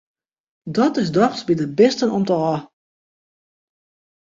Dat is dochs by de bisten om't ôf!